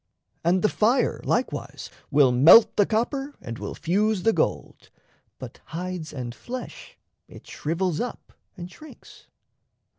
And the fire, likewise, Will melt the copper and will fuse the gold, But hides and flesh it shrivels up and shrinks.